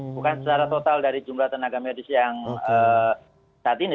bukan secara total dari jumlah tenaga medis yang saat ini